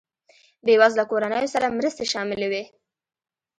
بېوزله کورنیو سره مرستې شاملې وې.